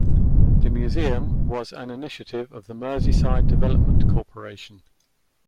The museum was an initiative of the Merseyside Development Corporation.